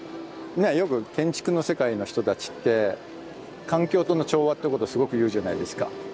ねっよく建築の世界の人たちって環境との調和ってことすごく言うじゃないですか。